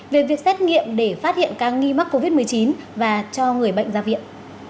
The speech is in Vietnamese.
về việc xét nghiệm để phát hiện ca nghi mắc covid một mươi chín và cho người bệnh ra viện